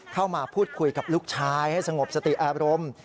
เข้ามาพูดคุยกับลูกชายให้สงบสติอารมณ์